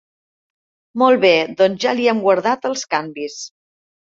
Molt bé, doncs ja li hem guardat els canvis.